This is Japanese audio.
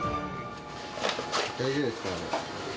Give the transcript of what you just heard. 大丈夫ですか？